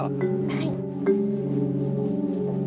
はい。